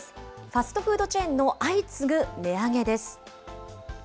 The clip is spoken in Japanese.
ファストフードチェーンの相次ぐ値上げです。